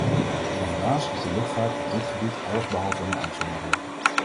En helaas is de luchtvaart op dit gebied allesbehalve een uitzondering.